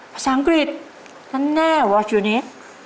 ภาษาอังกฤษนั่นแน่ว่าชื่อนี้